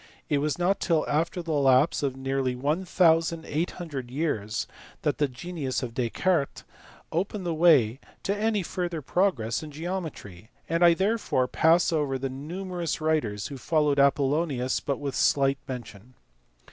It was not till after the lapse of nearly 1800 years that the genius of Descartes opened the way to any further progress in geometry, and I therefore pass over the numerous writers who followed Apollo nius with but slight mention.